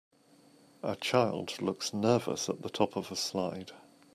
A child looks nervous at the top of a slide.